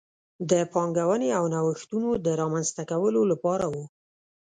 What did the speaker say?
د پانګونې او نوښتونو د رامنځته کولو لپاره و.